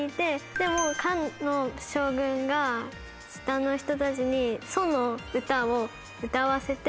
でも漢の将軍が下の人たちに「楚の歌」を歌わせて。